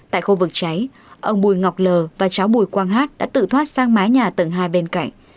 tại khu vực cháy ông bùi ngọc lờ và cháu bùi quang hát đã tự thoát sang mái nhà tầng hai bên cạnh